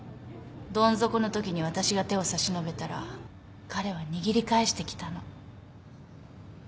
どん底のときに私が手を差し伸べたら彼は握り返してきたの。